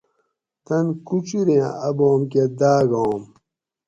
تن کوچوریں اۤ بام کہ داۤ گا